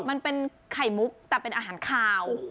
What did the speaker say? มันเป็นไข่มุกแต่เป็นอาหารคาว